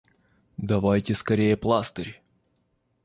Давайте скорее пластырь!